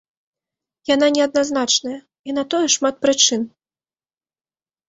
Яна не адназначная, і на тое шмат прычын.